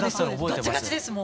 ガチガチですもう。